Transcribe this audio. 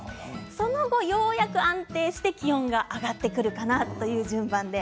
そのあと、ようやく安定して気温が上がってくるという順番です。